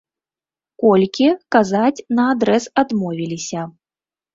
Колькі, казаць наадрэз адмовіліся.